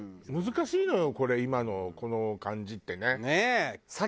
難しいのよこれ今のこの感じってね。